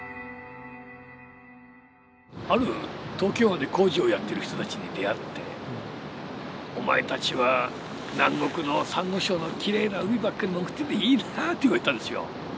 ある東京湾で工事をやってる人たちに出会ってお前たちは南国のサンゴ礁のきれいな海ばっかり潜ってていいなぁって言われたんですよ。